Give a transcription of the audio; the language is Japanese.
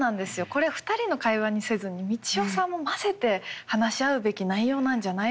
これ２人の会話にせずに三千代さんも交ぜて話し合うべき内容なんじゃないのかと。